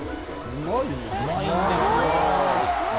うまいよ。